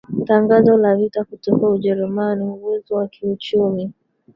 tangazo la vita kutoka Ujerumani Uwezo wa kiuchumi